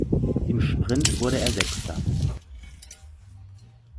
Im Sprint wurde er Sechster.